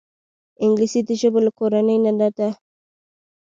انګلیسي د ژبو له کورنۍ نه ده